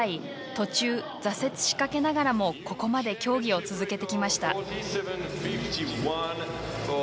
途中、挫折しかけながらもここまで競技を続けてきました。